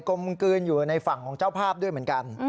กลมกลืนอยู่ในฝั่งของเจ้าภาพด้วยเหมือนกัน